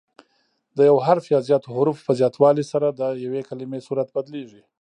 د یو حرف یا زیاتو حروفو په زیاتوالي سره د یوې کلیمې صورت بدلیږي.